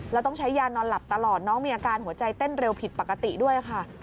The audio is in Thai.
แล้วต้องใช้ยานอนหลับตลอดน้องมีอาการหัวใจเต้นเร็วผิดปกติด้วยค่ะ